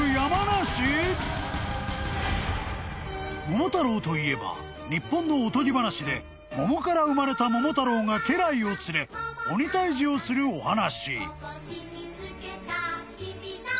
［『桃太郎』といえば日本のおとぎ話で桃から生まれた桃太郎が家来を連れ鬼退治をするお話］